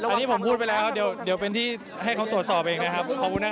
อันนี้ผมพูดไปแล้วเดี๋ยวเป็นที่ให้เขาตรวจสอบเองนะครับขอบคุณนะ